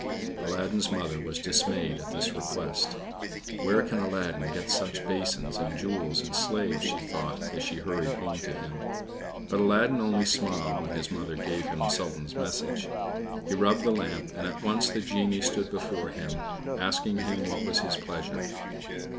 Aladdin's Mother was dismayed at this request. "Where can Aladdin get such basins and jewels and slaves?" she thought, as she hurried home to him. But Aladdin only smiled when his Mother gave him the Sultan's message. He rubbed the lamp, and at once the genie stood before him, asking him what was his pleasure.